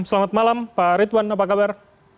selamat malam pak ridwan apa kabar